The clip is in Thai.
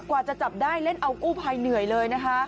กว่าจะจับได้เล่นเอากู้ภัยเหนื่อยเลยนะคะ